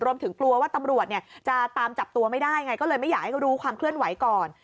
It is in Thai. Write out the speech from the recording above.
รวมถึงกลัวว่าตำรวจจะตามจับตัวไม่ได้ไงก็เลยไม่อยากให้เขารู้ความเคลื่อนไหวก่อน